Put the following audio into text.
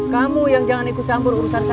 kamu yang jangan ikut campur urusan saya